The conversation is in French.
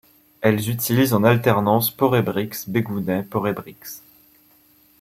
Elles utilisent en alternance porébriks-bégounets-porébriks.